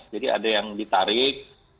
jadi ada yang ditarik